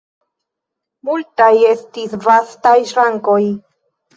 Multaj estis vastaj ŝrankoj.